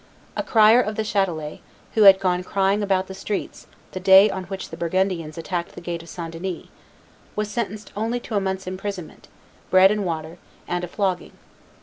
A crier of the Chatelet, who had gone crying about the streets the day on which the Burgundians attacked the gate of St. Denis, was sentenced only to a month's imprisonment, bread and water, and a flogging.